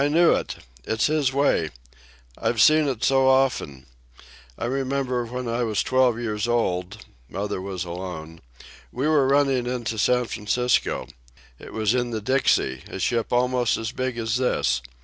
"I knew it! It's his way. I've seen it so often. I remember when I was twelve years old—mother was alone—we were running into San Francisco. It was in the Dixie, a ship almost as big as this.